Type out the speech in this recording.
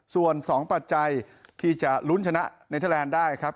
ส่วน๒ปัจจัยที่จะลุ้นชนะเนเทอร์แลนด์ได้ครับ